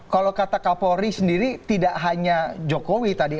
kalau kata kapolri sendiri tidak hanya jokowi tadi